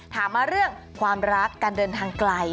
ถามมาเรื่องความรักการเดินทางไกล